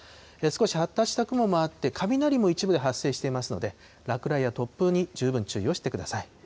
少し発達した雲もあって、雷も一部で発生していますので、落雷や突風に十分注意をしてください。